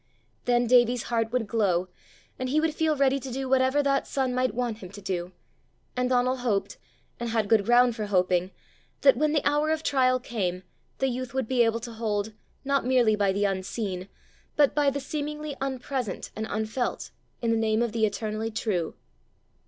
Then Davie's heart would glow, and he would feel ready to do whatever that son might want him to do; and Donal hoped, and had good ground for hoping, that, when the hour of trial came, the youth would be able to hold, not merely by the unseen, but by the seemingly unpresent and unfelt, in the name of the eternally true.